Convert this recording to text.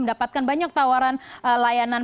mendapatkan banyak tawaran layanan